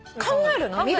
考えるの？